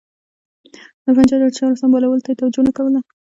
د پنجاب د چارو سمبالولو ته یې توجه نه کوله.